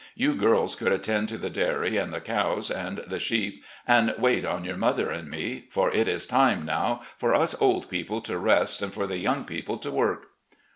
You girls could attend to the dairy and the cows and the sheep and wait on yoiur mother and me, for it is time now for us old people to rest and for the young people to work.